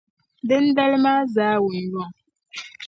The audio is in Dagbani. Dindali maa zaawunyuŋ.